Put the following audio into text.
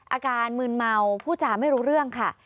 อาการมืนเมาผู้จาไม่รู้เรื่องค่ะ